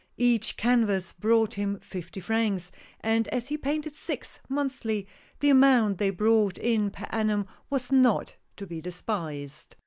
Each canvas brought him fifty francs, and as he painted six monthly, the amount they brought in per annum was not to be despised.